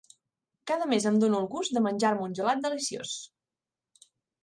Cada mes em dono el gust de menjar-me un gelat deliciós.